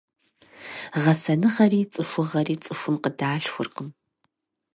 Гъэсэныгъэри цӏыхугъэри цӏыхум къыдалъхуркъым.